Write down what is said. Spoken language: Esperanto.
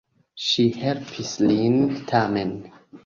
Ŝi helpis lin, tamen.